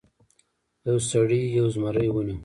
یو سړي یو زمری ونیو.